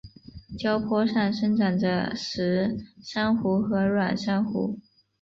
礁坡上生长着石珊瑚和软珊瑚。